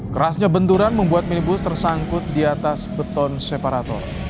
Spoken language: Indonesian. kerasnya benturan membuat minibus tersangkut di atas beton separator